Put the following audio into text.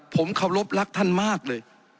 ผมขอบรับรักท่านมากเลย